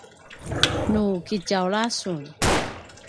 nu kitjaula sun